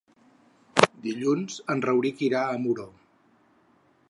Dilluns en Rauric irà a Muro.